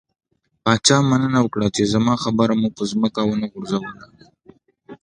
پاچا مننه وکړه، چې زما خبره مو په ځمکه ونه غورځوله.